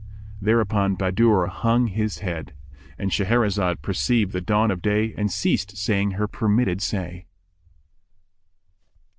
Thereupon Bahadur hung his head.—And Shahrazad perceived the dawn of day and ceased saying her permitted say.